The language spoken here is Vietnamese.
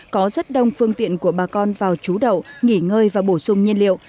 có rất đông phương tiện của bà con vào trú đậu nghỉ ngơi và bổ sung nhiên liệu